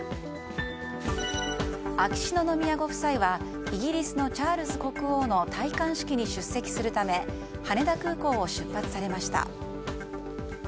秋篠宮ご夫妻はイギリスのチャールズ国王の戴冠式に出席するため羽田空港を出発されました。